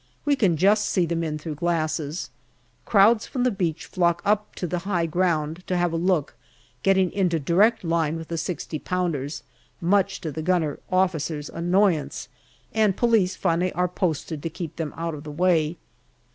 We can just see the men through glasses. Crowds from the beach flock up on to the high ground to have a look, getting into direct line with the 6o pounders, much to the Gunner Officer's annoyance, and police finally are posted to keep them out of the way.